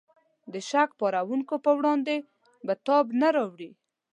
د شک پارونکو په وړاندې به تاب را نه وړي.